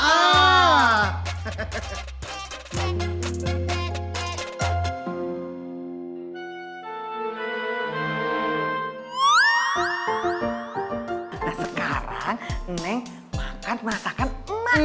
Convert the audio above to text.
nah sekarang neng makan masakan emas